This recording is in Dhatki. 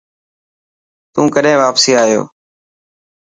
تون ڪڏهن واپسي آيو.